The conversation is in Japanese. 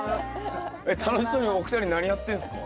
えっ楽しそうにお二人何やってんすか？